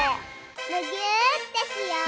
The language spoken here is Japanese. むぎゅーってしよう！